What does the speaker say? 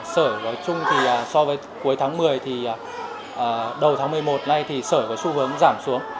sở nói chung thì so với cuối tháng một mươi thì đầu tháng một mươi một nay thì sở có xu hướng giảm xuống